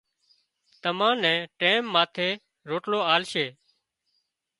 تمان نين ٽيم ماٿي روٽلو آلشي